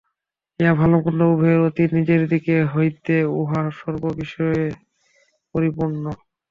ইহা ভাল-মন্দ উভয়ের অতীত, নিজের দিক হইতে ইহা সর্ববিষয়ে পরিপূর্ণ।